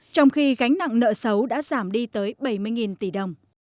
trong khi gánh nặng nợ xấu đã giảm đi tới bảy mươi tỷ đồng